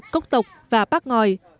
cốc tộc và bắc ngòi